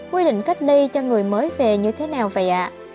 quy định cách ly cho người mới về như thế nào vậy ạ